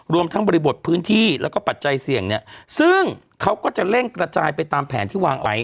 รวมทั้งบริบทพื้นที่แล้วก็ปัจจัยเสี่ยงเนี่ยซึ่งเขาก็จะเร่งกระจายไปตามแผนที่วางไว้